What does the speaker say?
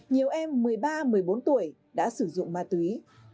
nhiều em một mươi ba một mươi bốn tuổi đã sử dụng ma túy